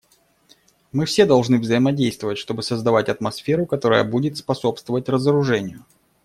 Мы все должны взаимодействовать, чтобы создавать атмосферу, которая будет способствовать разоружению.